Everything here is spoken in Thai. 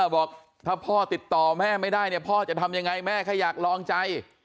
บอกถ้าพ่อติดต่อแม่ไม่ได้เนี่ยพ่อจะทำยังไงแม่แค่อยากลองใจ